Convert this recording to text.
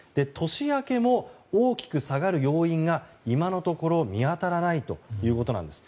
年明けも大きく下がる要因が今のところ見当たらないということなんです。